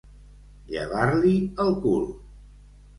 Llevar-l'hi el cul.